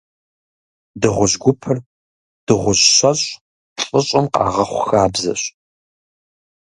Дыгъужь гупыр дыгъужь щэщӏ-плӏыщӏым къагъэхъу хабзэщ.